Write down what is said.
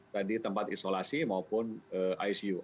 tadi tempat isolasi maupun icu